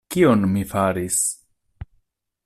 Kion mi faris?